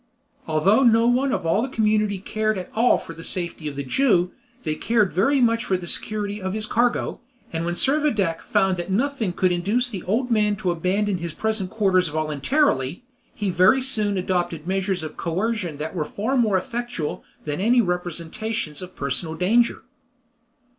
Although no one of all the community cared at all for the safety of the Jew, they cared very much for the security of his cargo, and when Servadac found that nothing would induce the old man to abandon his present quarters voluntarily, he very soon adopted measures of coercion that were far more effectual than any representations of personal danger.